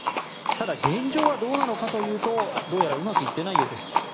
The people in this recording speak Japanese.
ただ現状はどうなのかというとどうやらうまくいっていないようです。